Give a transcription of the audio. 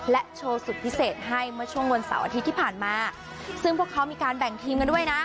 โชว์สุดพิเศษให้เมื่อช่วงวันเสาร์อาทิตย์ที่ผ่านมาซึ่งพวกเขามีการแบ่งทีมกันด้วยนะ